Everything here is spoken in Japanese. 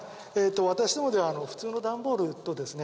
私どもでは普通のダンボールとですね